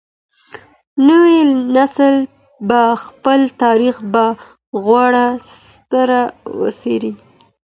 نوی نسل به خپل تاريخ په غور سره وڅېړي.